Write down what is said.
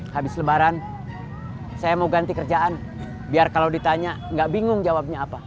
habis lebaran saya mau ganti kerjaan biar kalau ditanya nggak bingung jawabnya apa